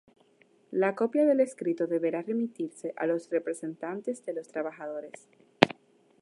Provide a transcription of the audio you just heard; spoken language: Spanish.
La copia del escrito deberá remitirse a los representantes de los trabajadores.